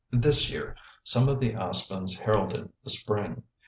This year some of the aspens heralded the spring.